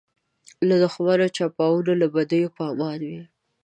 له دښمنو چپاوونو له بدیو په امان وي.